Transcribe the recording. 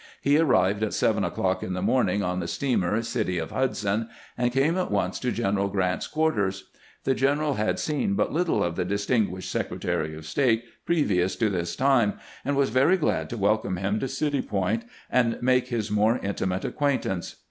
He arrived at seven o'clock in the morning on the steamer City of Hudson, and came at once to General Grant's quarters. The general had seen but little of the distinguished Secretary of Stat6 previous to this time, and was very glad to welcome him to City Point, and make his more intimate acquaintance.